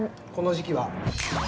この時期は。